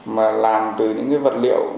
mà làm từ những vật liệu